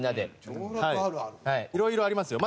いろいろありますよ。